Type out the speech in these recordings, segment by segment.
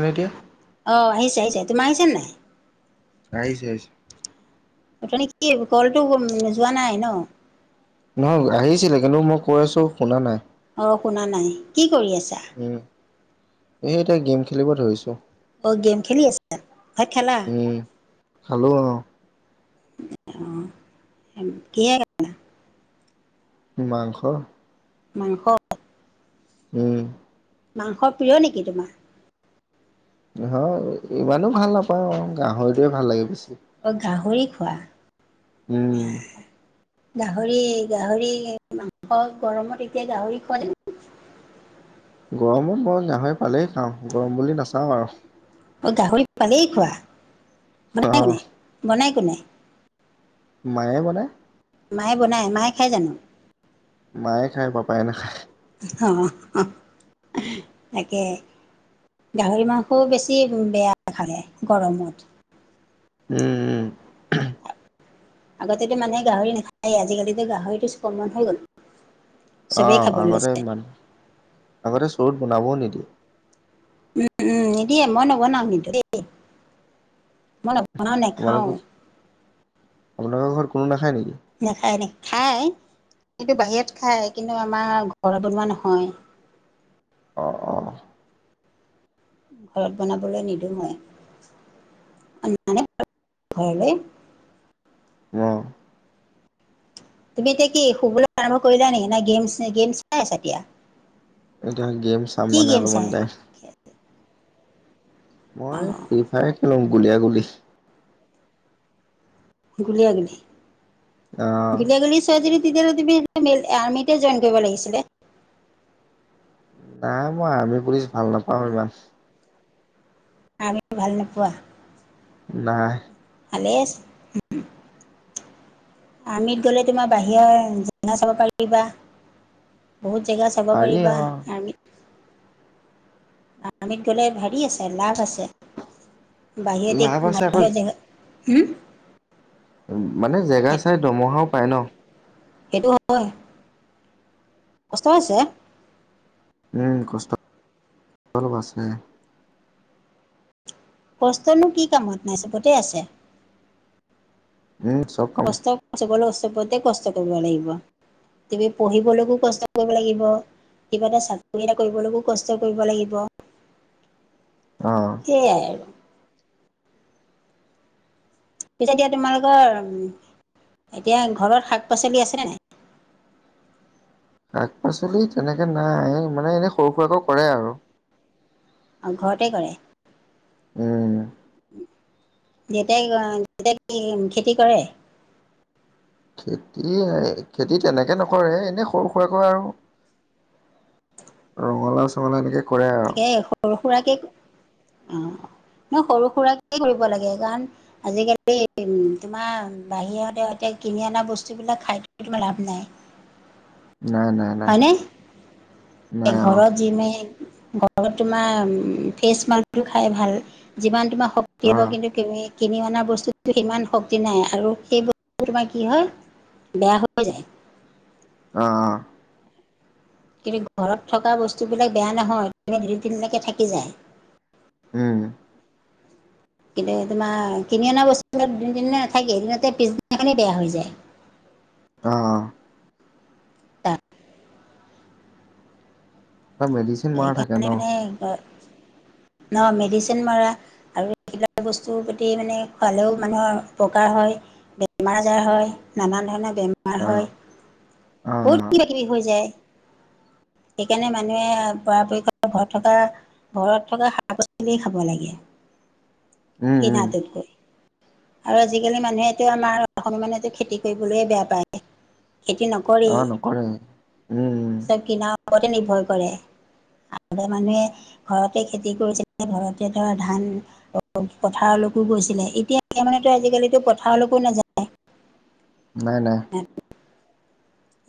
নে এতিয়া অ আহিছে আহিছে তুমি আহিছে নাই আহিছে আহিছে মানে কি কলটো যোৱা নাই ন নহয় আহিছিলে কিন্তু মই কৈ আছোঁ শুনা নাই অ শুনা নাই কি কৰি আছা এইটো গেম খেলিব ধৰিছোঁ অ গেম খেলি আছা ভাত খালা উম খালো অ অ কি মাংস মাংস উম মাংস প্ৰিয় নেকি তোমাৰ? নহয় ইমানো ভাল নাপাওঁ অ গাহৰিটোৱে ভাল লাগে বেছি অ গাহৰি খোৱা উম গাহৰি গাহৰি মাংস গৰমত এতিয়া গাহৰি খোৱা নেকি গৰমত মই গাহৰি পালেই খাওঁ গৰম বুলি নাচাওঁ আৰু অ গাহৰি পালেই খোৱা অ বনাই কোনে বনাই কোনে মায়ে বনাই মায়ে বনায় মায়ে খাই জানো মায়ে খায় পাপায়ে নাখায় অ অ হ তাকে গাহৰি মাংসো বেছি বেয়া খালে গৰমত উম উম আগতেতো মানুহে গাহৰি নাখায় আজিকালিতো গাহৰিটো চুকমন হৈ গল অ চবেই খাবলৈ আগতে লৈছে ইমান আগতে চৰুত বনাবও নিদিয়ে উম উম নিদিয়ে মই নবনাও কিন্তু দেই মই নবনাও নেখাও আপোনাৰ ঘৰত কোনো নাখায় নেকি নাখায় নি খায় কিন্তু বাহিৰত খায় কিন্তু আমাৰ ঘৰত বনোৱা নহয় অ অ ঘৰত বনাবলৈ নিদো মই আনিপেলে ঘৰলৈ অ তুমি এতিয়া কি শুবলৈ আৰম্ভ কৰিলা নেকি নাই গেম গেম চাই আছা এতিয়া এতিয়া গেম চাম কি মানে গেম অলপমান চাই টাইম মই অঁ ফ্ৰী ফায়াৰ খেলোঁ গুলীয়াগুলি গুলিয়া গোলি অ গুলিয়া গোলি তেতিয়'লে তুমি আৰ্মিতে জইন কৰিব লাগিছিলে নাই মই আৰ্মি পুলিছ ভাল নাপাওঁ ইমান আৰ্মি ভাল নোপোৱা নাই ভালে আছে আমিত গ'লে তোমাৰ বাহিৰৰ জিনা চাব পাৰিবা। বহুত জেগা চাব পাৰি পাৰিবা অ আৰ্মিত আমিত গলে হেৰি আছে লাভ আছে বাহিৰৰ লাভ দিশ আছে আকৌ বাহিৰৰ জগ উম মানে জেগা চাই দমহাও পায় ন। সেইটো হয়। কষ্ট হৈছে। উম কষ্টল আছে কষ্টনো কি কামত নাই চবতে আছে। উম ছব কষ্ট চ ওচপৰতে কষ্ট কৰিব লাগিব। তুমি পঢ়িবলৈকো কষ্ট কৰিব লাগিব। কিবা এটা চাকৰি এটা কৰিবলৈোশ কষ্ট কৰিব লাগিব। অ সয়াই আৰু। পিছেত এতিয়া তোমালোকৰ এতিয়া ঘৰত শাক পাচলি আছেনে? শাক -পাচলি তেনেকে নাই মানে এনেই সৰু সুৰাকৌ কৰে। আৰু- আৰু ঘৰতে কৰে উম দেউতা দেউতা কি খেতি কৰে। খেতি খেতি তেনেকে নকৰে এনেই সৰু সুৰাকৰাকৈ আৰু- ৰঙালা, -চঙলা এনেকে কৰে আৰু তে সৰু সুৰাকে অ ন সৰু সুৰাক কৰিব লাগে কাৰণ আজিকালি উ তোমাৰ বাহিৰতে এতিয়া কিনি অনা বস্তু বিলাক খাই থ তোমাৰ লাভ নাই নাই নাই। নাই নাই হয়নে অ ঘৰত যিমে ঘৰত তোমাৰ ফ্ৰেচ মালটো খাই ভাল। যিমান তোমাৰ শক্তি অ হ'ব কিন্তু কিনি অনা বস্তু সিমান শক্তি নাই আৰু সেই তোমাৰ কি হয় বেয়া হৈ যায়। অ অ কিন্তু ঘৰত থকা বস্তুবিলাক বেয়া নহয়ু দুই তিনি দিনলকে থাকি যায়। উম উ কিন্তু তোমাৰ কিনি অনা বস্তু দুিন না নাথাকেদিনতে পিছদিনাখিনি বেয়া হৈ যায়। অ' তাত অ', মেদিচিন সেইকাৰণে মানে ন' মেডিচিন মৰা। আৰু এইিলা বস্তুৰ প্ৰতি মানে খোৱালেও মানুহৰ উপকাৰ হয়। বেমাৰ আজাৰ হয় নানান ধৰণৰ বেমাৰ অ হয়। অ বহুত কিবা কিবি হৈ যায়। সেইকাৰণে মানুহে পৰাপক্ষ ঘৰত থকা ঘৰত থকা শাক- পাচলিয় খাব লাগে। উম,। উম ন' টোত কৈ। আৰু আজিকালি মানুহেতো আমাৰ অসম অসমীয়া মানুহেতো খেতি, কৰিবলৈ বেয়া পায়। খেতি নকৰে, অ নকৰে উম উম চব কিনাৰ ওপতে নিৰ্ভৰ কৰে। আগৰ মানুহে ঘৰতে খেতি কৰিছে ঘৰতে ধৰা ধান। পথাৰলৈকো গৈছিলে এতিয়া মানেতো আজিকালিতো পথাৰলৈকো নাযায়। নাই নাই। [unintelligible]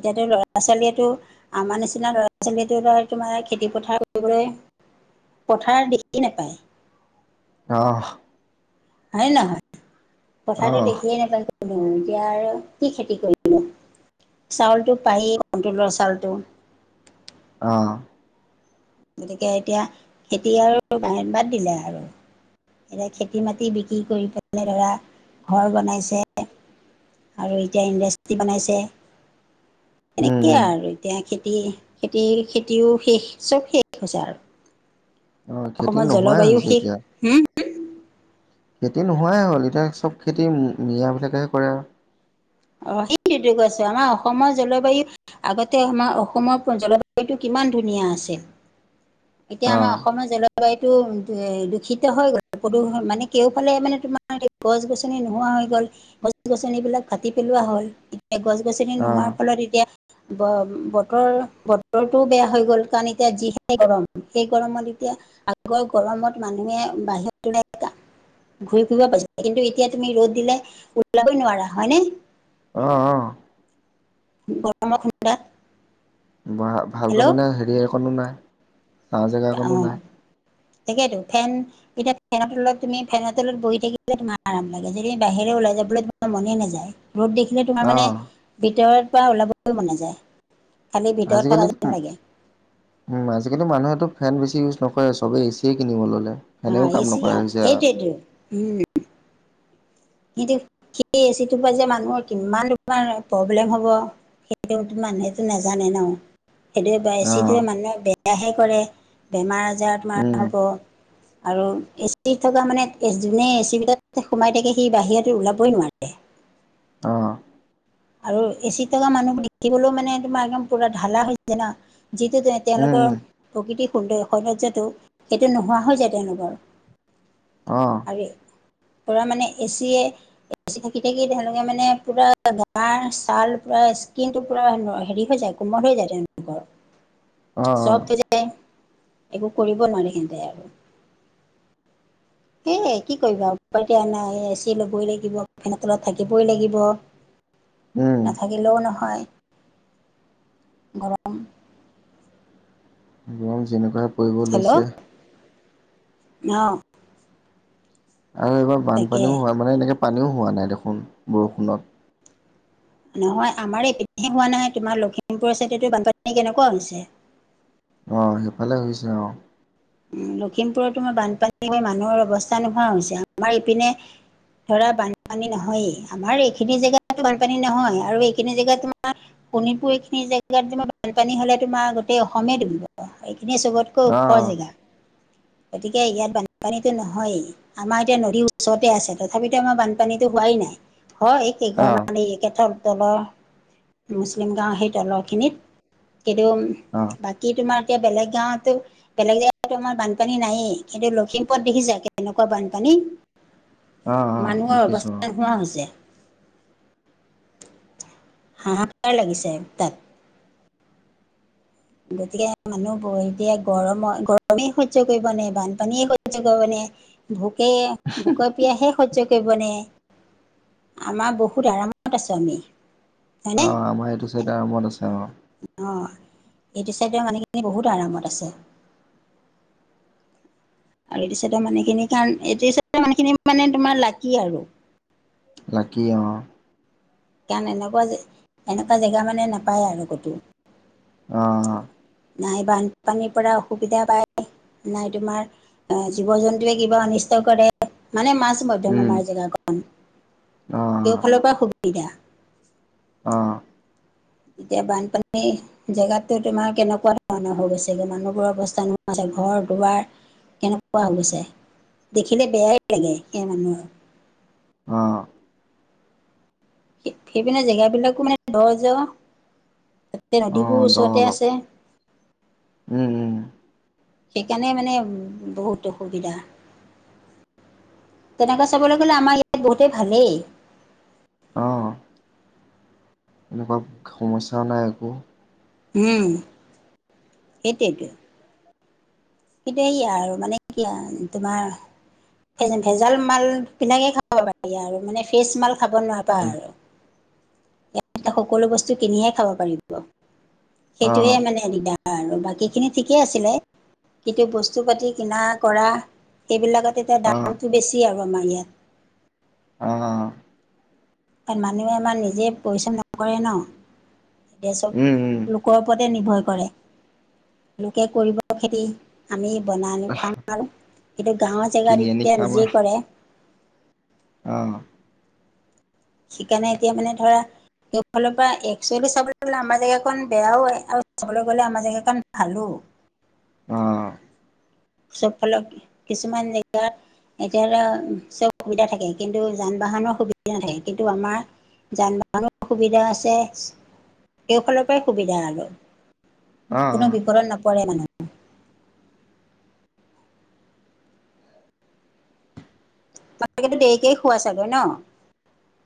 এতিয়াতো ল'ৰা ছোৱালীয়ে টো আমাৰ নিচিনা ল'ৰা ছোৱালীটো তোমাৰ- খেতি পথাৰ কৰিবলৈ, পথাৰ দেখি নাপায়। অহ। হয় নহয়, পথাটো আহ দেখিয়ে নাপালো এতিয়া আৰু কি খেতি কৰিলো। চাউলটো পায়ে কনতলৰটো চাউলটো। অ। গতিকে এতিয়া খেতি আৰু বাত দিলে আৰু। এতিয়া খেতি মাটি বিক্ৰী কৰি পেলনে ধৰা, ঘৰ বনাইছে। আৰু এতিয়া ইণ্ডাষ্ট্ৰ্ৰী বনাইছে, উম তেনেকে উম আৰু। এতিয়া খেতি খেতিৰ খেতিও শেষ চব শেষ হৈছে আৰু। অ খেতি অসমত নোহোৱাই জলবায়ু হৈছে শেষ। এতিয়া হম খেতি নোহোৱাই হ'ল এতিয়া চব খেতি মিয়াবিলাকেহে কৰে আৰু। অ সেইটো ত কৈ আছো আমাৰ অসমৰ জলবায়ু- আগতে আমাৰ অসমৰ জলবায়ুটো কিমান ধুনীয়া আছিল, এতিয়া অ আমাৰ- অসমৰ জলবায়ুটো দূষিত হৈ গ'ল প্ৰদূষ মানে কেউফালে মানে- গছ গছনি নোহোৱা হৈ গ'ল গছ গছনি বিলাক - কাটি পেলোৱা হল, এতিয়া গছ গছনি অ নোহোৱাৰ ফলত এতিয়া- ব বতৰ বতৰটোও বেয়া হৈ গ'ল কাৰণ এতিয়া যিহে গৰম সেই গৰমত এতিয়া- আগৰ গৰমত মানুহে বাহিৰ- ঘূৰি ফুৰিব পাইছিলে কিন্তু এতিয়া তুমি ৰ'দ দিলে ওলাবই নোৱাৰা হয় নে? অ অ। গৰমৰ খুন্দা। ভালকৈ মানে হেৰি এখনো নাই, চাঁহ জেগা অকণো নাই। তাকেইতো ফেন- এতিয়া ফেনৰ তলত তুমি ফেনৰ তলত বহি থাকিলে তোমাৰ আৰাম লাগে যদি বাহিৰে ওলাই যাবলৈ তোমাৰ মনে নাযায়। ৰ'দ দেখিলি তোমাৰ অ মানে, ভিতৰ পৰা ওলাবলৈ মনে যায়। আজিকালিতো- উম আজিকালি মানুহেতটো ফেন বেছি ইউজ নকৰে চবেই এ চিয়ে কিনিব ল'লে। অ ফেনেও কাম নকৰা এচিয় হৈছে আৰু সেইটোৱে টো উম। কিন্তু, সেই এচিটোৰ পৰা যে মানুহৰ কিমান প্ৰব্লেম হ'ব। সেইটোৱে মানুহেতটো নাজানে ন, সেইটোৱে অ এচিটোৱে মানুহে বেয়া- সেয়াহে কৰে, বেমাৰ আজাৰত তোমাৰ উম হ'ব। আৰু এ চি থকা মানে যোনে এ চিবিলাক সোমাই থাকে- সি বাহিৰত ওলাবই নোৱাৰে। অ। আৰু এচি টকা মানুহ দেখিবলৈও মানে তোমাৰ একদম পুৰা ঢালা হৈছে না যিটো- উম তেওঁলোকৰ উম প্ৰকৃতি সৌন্দৰ সৌন্দৰ্যটো সেইটো নোহোৱা হৈ যায় তেওঁলোকৰ। অ। পুৰা মানে এচিয়ে এচি থাকি থাকি তেওঁলোকে মানে পুৰা- তাৰ ছাল পুৰা স্কিন টো পুৰা হেৰি হৈ যায় কোমল হৈ যায় তেওঁলোকৰ। অ অ চব তে যায়। একো কৰিব নোৱি সেন্তে আৰু। এই কি কৰিবা আৰু উপাইটো নাই এ, চি, ল'বই লাগিব ফেন তলত থাকিবই লাগিব। উম নাথাকিলেও নহয় গৰম। গৰম যেনেকুৱাই পৰিব লৈছে। অঁহ! আৰু এইবাৰ তাকে বানপানীও হোৱা মানে এনেকে পানীও হোৱা নাই দেখোন বৰষুণত। নহয় আমাৰ এই এইখিনিত হোৱা নাই। তোমাৰ লখিমপুৰ চাইদে টো বানপানী কেনেকুৱা হৈছে। অঁ, সেইফালে হৈছে, অঁ। উম লখিমপুৰত তোমাৰ বানপানী হৈ মানুহৰ অৱস্থা নোহোৱা হৈছে। আমাৰ এইপিনে- ধৰা বানপানী নহয়েই, আমাৰ এইখিনি জেগাত বানপানী নহয়, আৰু এইখিনি জেগাত তোমাৰ- শোণিতপুৰ এইখিনি জেগাত তোমাৰ বানপানী হলে তোমাৰ গোটেই অসমেই ডুবিব। এইখিনিয়ে চবত- কৈ অ ওখৰ জেগা। গতিকে, ইয়াত বানপানীতো নহয়েই। আমাৰ এতিয়া নদীৰ ওচৰতে আছে। তথাপিতো আমাৰ বানপানীতো হোৱাই নাই, হয়। অ কেইঘৰ মানে এই এতিয়া ধৰ তলৰ- মুছলিম গাঁওৰ সেই তলৰখিনিত এদম- অঁহ' বাকী তোমাৰ এতিয়া বেলেগ গাঁৱত টো বেলেগে জেগাততো আমাৰ বান- পানী নায়েই, কিন্তু লখিমপুৰত দেখিছা কেনেকুৱা বানপানী। অ অ মানুহৰ দেখিছো অ অৱস্থা নোহোৱা হৈছে। হাহা কাৰ লাগিছে তাত। গতিকে, মানুহ বোৰ এতিয়া গৰমৰ গৰমেই সহ্য কৰিব নে, বানপানীয়ে সহ্য কৰিব নে? ভোকেই, ভোকৰ পিয়াহে সহ্য কৰিব নে? আমাৰ বহুত আৰামত আছো আমি। অঁ আমাৰ এইটো চাইডে আৰামত আছে অঁ। অঁ' এইটো চাইডে মানুহখিনি বহুত আৰামত আছে। আৰু এইটো চাইডৰ মানুহখিনি কাৰন, এইটো চাইডৰ মানুহখিনি মানে তোমাৰ লাকি আৰু। লাকি অঁ'। কাৰণ এনেকুৱা জে, এনেকুৱা জেগা মানে নাপায় আৰু ক'তো। অঁ' নাই বান পানীৰ পৰা অসুবিধা পায়, নাই তোমাৰ অ জীৱ জন্তুৱে কিবা অনিষ্ট কৰে। মানে মাছ- বাদ দিয়া উম মুমাই জেগাকন, অ কেও ফালৰ পৰা সুবিধা। অঁ' এতিয়া বানপানী- জেগাতো তোমাৰ কেনেকুৱা ধৰণৰ হৈ গৈছেগে, মানুহবোৰৰ অৱস্থা নোহোৱা ঘৰ-দুৱাৰ- কেনেকুৱা হৈ গৈছে? দেখিলে বেয়াই লাগে সেই মানুহ- অঁ' সেই-সেইপিনে জেগাবিলাকো মানে ঘৰ জৰ তাতে অ নদীবোৰো ওচৰতে আছে। উম উম উম'। সেইকাণে মানে বহুত অসুবিধা। তেনেকুৱা চাবলৈ গ'লে আমাৰ ইয়াত বহুতেই ভালেই। অ এনেকুৱা সমস্যাও নাই একো। উম' সেইটোৱেটো। কিন্তু, এই আৰু মানে কি আৰু তোমাৰ- ভেজাল মাল বিলাকেই খাব বিলাকেই খাব পাৰিবি আৰু, মানে ফ্ৰেছ মাল খাব নাপাবি আৰু। এই সকলো বস্তু কিনিহে খাব পাৰিবি। অ সেইটোহে মানে দিগদাৰ আৰু বাকীখিনি ঠিকে আছিলে। কিন্তু বস্তু পাতি কিনা কৰা সেইবিলাকত এতিয়া অ দামটো বেছি আৰু আমাৰ ইয়াত। অ কাৰণ মানুহে আমাৰ নিজে পৰিশ্ৰম নকৰে ন। এতিয়া চোন উম উম লোকৰ ওপৰতে নিৰ্ভৰ কৰে। লোকে কৰিব খেতি। আমি বনালো খাওঁ আৰু এতিয়া গাঁৱৰ কিনি জেগাত আনি এতিয়া নিজেই কৰে। অঁ। কেনেকে এতিয়া মানে ধৰা- সেইফালৰ পৰা একচুৱেলি চাবলৈ গ'লে আমাৰ জেগা কণ বেয়াও হয়, আৰু চাবলৈ গ'লে আমাৰ জেগা কণ ভালো। অঁহ। চব ফালত কিছুমান জেগাত- এতিয়া ধৰা চব সুবিধা থাকে, কিন্তু যান-বাহনৰ সুবিধা নাথাকে, কিন্তু আমাৰ- যান-বাহনৰ সুবিধা আছে, সেইফালৰ পৰাই সুবিধা আৰু। অ কোনো বিপদত নপৰে মানে। বাপেকেটো দেৰিকেই শুৱৈ ছাগে ন?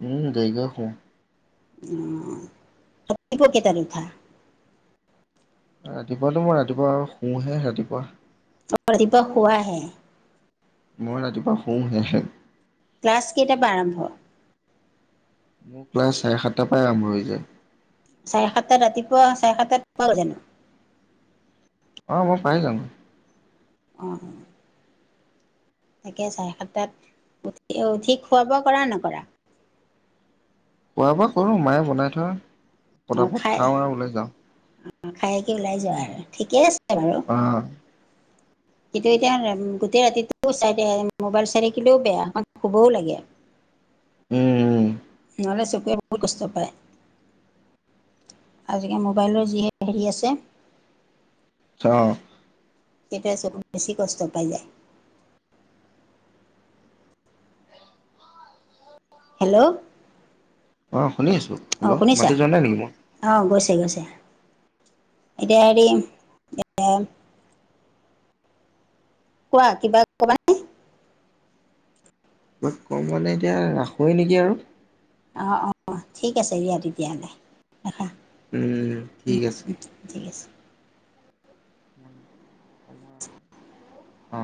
উমঁ, দেৰিকেই শু। অঁহ', ৰাতিপুৱা কেইটাত উঠা? ৰাতিপুৱাটো মই ৰাতিপুৱা আৰু শুহে ৰাতিপুৱা। অ' ৰাতিপুৱা শুৱা হে? মই ৰাতিপুৱা শু হে-হে। ক্লাছ কেইট পৰা আৰম্ভ? মোৰ ক্লাছ চাৰে-সাতটাৰ পৰাই আৰম্ভ হৈ যায়। চাৰে সাতটাত ৰাতিপুৱা চাৰে সাতটাত পোৱা গৈ জানো? অঁ', মই পাই যাওঁ গৈ। অঁহ। ঠিকে আছে চাৰে সাতাত। উঠি খোৱা-বোৱা কৰা নে নকৰা? খোৱা-বোৱা কৰো মায়ে বনাই থয়। অ', পতাপত খাই, খাওঁ আৰু ওলাই যাওঁ অ', খাই কি ওলাই যোৱা আৰু ঠিকে আছে। [inaudible] অ কিন্তু এতিয়া গোটেই ৰাতিটো চাই মোবাইল চাই থাকিলেও বেয়া অকণ শুবও লাগে। উমঁ-উমঁ। নহ'লে চকুৱে বহুত কষ্ট পায়। আজিকালি মোবাইলৰ যি হে হেৰি আছে। অঁহ। তেতিয়া চকুত বেছি কষ্ট পাই যায়। হেল্ল'। অঁ', শুনি আছোঁ। অঁ', শুনিছা? অঁ', - গৈছে-গৈছে। এতিয়া হেৰি- কোৱা কিবা- কবা নে? মই মানে এতিয়া ৰাখোৱে নেকি আৰু। অঁহ', -অঁ', - ঠিক আছে দিয়া তেতিয়াহ'লে। ৰাখা। উম, ঠিক আছে। ঠিক আছে। অহ।